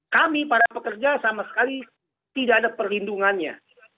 kami para pekerja sama sekali tidak ada perlindungannya